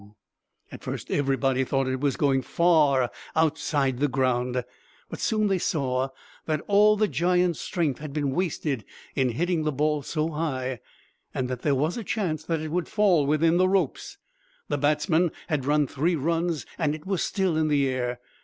"At first everybody thought it was going far outside the ground. But soon they saw that all the giant's strength had been wasted in hitting the ball so high, and that there was a chance that it would fall within the ropes. The batsmen had run three runs and it was still in the air.